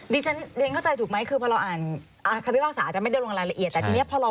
นี่ฉันใดใจถูกไหมคือพอเราอ่านดักฐานคำพิว่าอาจจะไม่ได้ลงไลน์ละเอียด